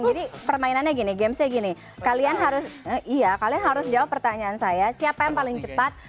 jadi permainannya gini gamesnya gini kalian harus jawab pertanyaan saya siapa yang paling cepat